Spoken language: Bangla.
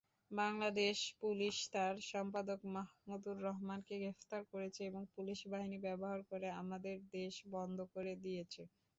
বাংলাদেশ পুলিশ তার সম্পাদক মাহমুদুর রহমানকে গ্রেপ্তার করেছে এবং পুলিশ বাহিনী ব্যবহার করে "আমার দেশ" বন্ধ করে দিয়েছে।